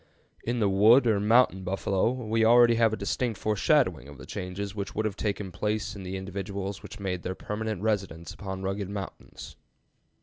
In the "wood" or "mountain buffalo" we already have a distinct foreshadowing of the changes which would have taken place in the individuals which made their permanent residence upon rugged mountains.